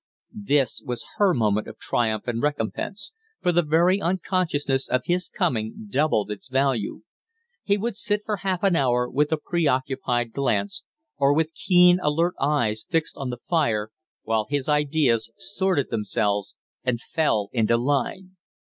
This was her moment of triumph and recompense for the very unconsciousness of his coming doubled its value. He would sit for half an hour with a preoccupied glance, or with keen, alert eyes fixed on the fire, while his ideas sorted themselves and fell into line.